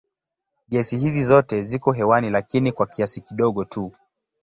Gesi hizi zote ziko hewani lakini kwa kiasi kidogo tu.